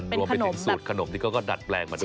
รวมไปถึงสูตรขนมที่เขาก็ดัดแปลงมาด้วย